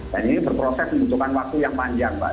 dan ini berproses menunjukkan waktu yang panjang mbak